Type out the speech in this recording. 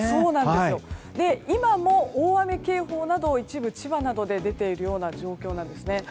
今も大雨警報など千葉などの一部で出ているような状況です。